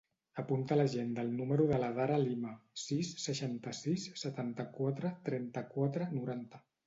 Apunta a l'agenda el número de l'Adara Lima: sis, seixanta-sis, setanta-quatre, trenta-quatre, noranta.